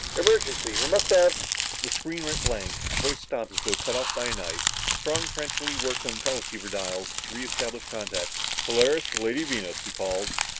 Emergency. We must have " The screen went blank, the voice stopped as though cut off by a knife. Strong frantically worked the teleceiver dials to re establish contact. "Polaris to Lady Venus," he called.